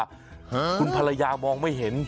ฮะคุณภรรยามองไม่เห็น